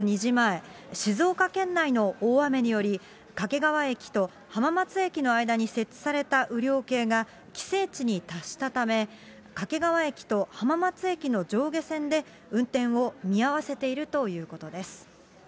ＪＲ東海によりますと、東海道新幹線は午後２時前、静岡県内の大雨により、掛川駅と浜松駅の間に設置された雨量計が規制値に達したため、掛川駅と浜松駅の上下線で運転を見合わせているということです。